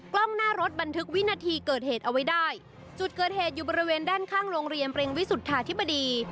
กล้องหน้ารถบันทึกวินาทีเกิดเหตุเอาไว้ได้จุดเกิดเหตุอยู่บริเวณด้านข้างโรงเรียนเปรงวิสุทธาธิบดี